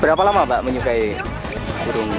berapa lama mbak menyukai burung